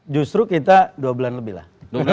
justru kita dua bulan lebih lah